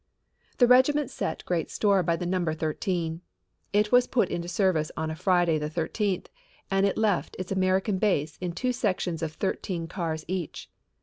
The regiment set great store by the number thirteen. It was put into service on a Friday the thirteenth and it left its American base in two sections of thirteen cars each.